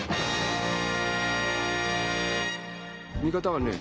見方はね